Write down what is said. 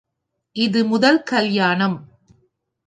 இது முதல் கல்யாணம்.